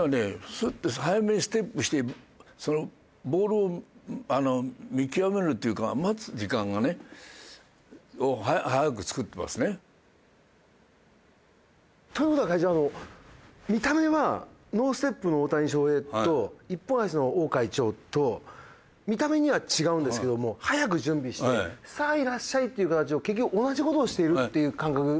スッて早めにステップしてボールを見極めるっていうか待つ時間を早く作ってますね。という事は会長見た目はノーステップの大谷翔平と一本足の王会長と見た目には違うんですけども早く準備してさあいらっしゃいっていう形と結局同じ事をしているっていう感覚で。